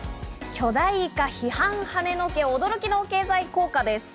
巨大イカ批判はねのけ、驚きの経済効果です。